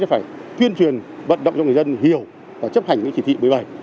phải tuyên truyền vận động cho người dân hiểu và chấp hành những chỉ thị bởi bài